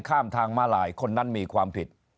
ข้ามทางมาลายคนนั้นมีความผิด